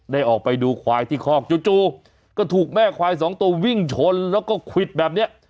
ออกไปดูควายที่คอกจู่ก็ถูกแม่ควายสองตัววิ่งชนแล้วก็ควิดแบบนี้